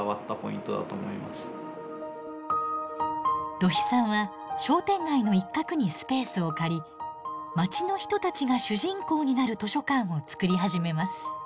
土肥さんは商店街の一角にスペースを借り街の人たちが主人公になる図書館を作り始めます。